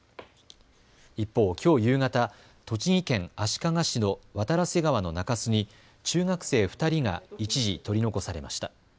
一方、きょう夕方、栃木県足利市の渡良瀬川の中州に中学生２人が一時、取り残されました。